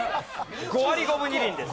５割５分２厘です。